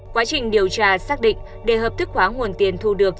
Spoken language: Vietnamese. quá trình điều tra xác định để hợp thức hóa nguồn tiền thu được